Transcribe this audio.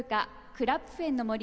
「クラップフェンの森で」。